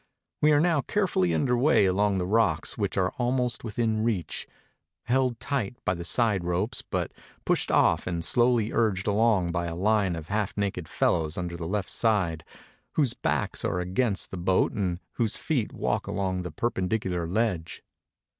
We arc now carefully under way along the rocks which are ahiinst within reach, held tight by the side ropes, but 262 UP THE CATARACTS OF THE NILE pushed off and slowly urged along by a line of half naked fellows under the left side, whose backs are against the boat and whose feet walk along the perpendicular ledge.